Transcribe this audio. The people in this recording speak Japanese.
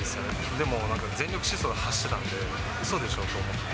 でもなんか、全力疾走で走ってたんで、うそでしょ？と思って。